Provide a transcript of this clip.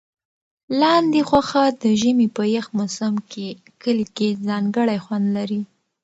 لاندي غوښه د ژمي په یخ موسم کې کلي کې ځانګړی خوند لري.